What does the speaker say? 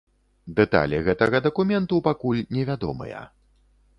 Дэталі гэтага дакументу пакуль невядомыя.